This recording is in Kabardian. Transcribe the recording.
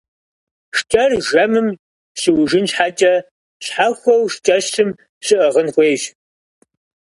ШкӀэр жэмым щыужын щхьэкӀэ щхьэхуэу шкӀэщым щыӀыгъын хуейщ.